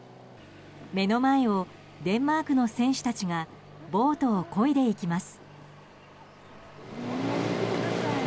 目の前をデンマークの選手たちがボートをこいでいきます。